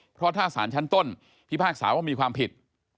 เพราะถ้าสารชั้นต้นพิพากษาว่ามีความผิด